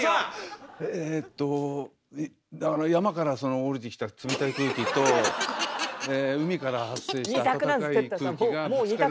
えとだから山から下りてきた冷たい空気と海から発生したあたたかい空気が。